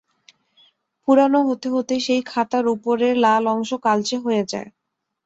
পুরোনো হতে হতে সেই খাতার ওপরের লাল অংশ কালচে হয়ে যায়।